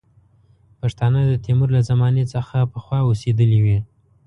پښتانه د تیمور له زمانې څخه پخوا اوسېدلي وي.